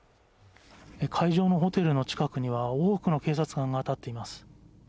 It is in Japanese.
会場のホテルの近くには多くの警察官が立っています。